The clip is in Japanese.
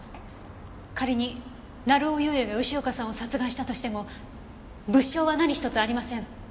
仮に成尾優也が吉岡さんを殺害したとしても物証は何一つありません。